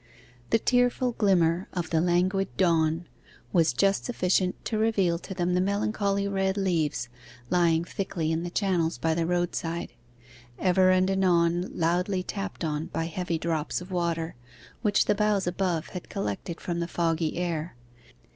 'The tearful glimmer of the languid dawn' was just sufficient to reveal to them the melancholy red leaves, lying thickly in the channels by the roadside, ever and anon loudly tapped on by heavy drops of water, which the boughs above had collected from the foggy air.